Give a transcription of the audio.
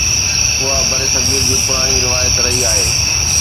اها برصغير جي پراڻي روايت رهي آهي.